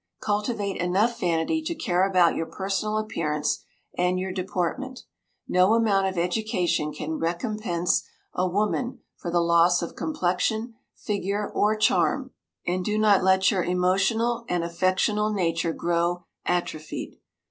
Cultivate enough vanity to care about your personal appearance and your deportment. No amount of education can recompense a woman for the loss of complexion, figure, or charm. And do not let your emotional and affectional nature grow atrophied.